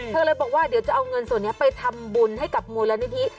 เธอเลยบอกว่าเดี๋ยวจะเอาเงินส่วนนี้ไปทำบุญให้กับมูลนิธิ